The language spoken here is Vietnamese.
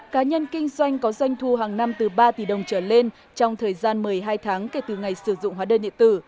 cá nhân kinh doanh có doanh thu hàng năm từ ba tỷ đồng trở lên trong thời gian một mươi hai tháng kể từ ngày sử dụng hóa đơn điện tử